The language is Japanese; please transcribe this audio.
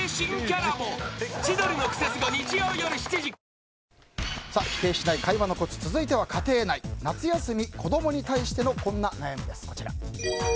「ビオレ」否定しない会話のコツ続いては家庭内夏休み、子供に対してのこんな悩みです。